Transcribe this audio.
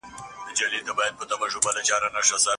پوهانو وویل چي علم پای نه لري.